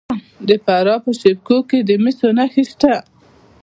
د فراه په شیب کوه کې د مسو نښې شته.